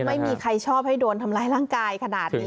ไม่มีใครชอบให้โดนทำร้ายร่างกายขนาดนี้